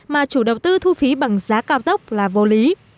mà chủ đầu tư thu phí bằng giá cao tốc là vô lý